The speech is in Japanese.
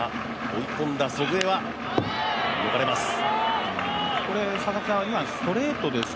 追い込んだ祖父江は抜かれます。